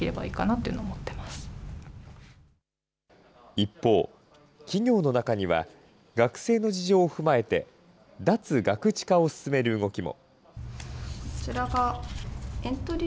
一方、企業の中には、学生の事情を踏まえて、脱ガクチカを進める動きも。